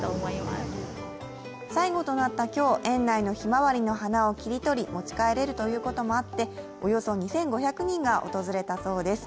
最後となった今日、園内のひまわりの花を切り取り、持ち帰れるということもあって、およそ２５００人が訪れたそうです。